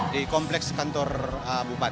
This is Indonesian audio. di kompleks kantor bupan